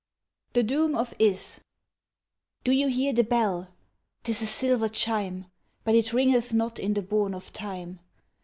The Doom of Ys DO you hear the bell? 'Tis a silver chime But it ringeth not in the bourne of time.